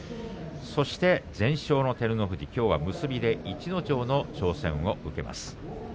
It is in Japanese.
全勝の照ノ富士きょうは結びで逸ノ城の挑戦を受けます。